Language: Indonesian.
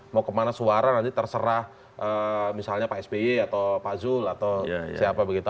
mau kemana suara nanti terserah misalnya pak sby atau pak zul atau siapa begitu